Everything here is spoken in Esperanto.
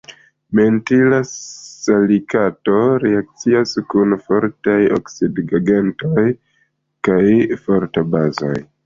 Mentila salikato reakcias kun fortaj oksidigagentoj kaj fortaj bazoj.